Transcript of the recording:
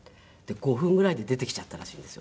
５分ぐらいで出てきちゃったらしいんですよ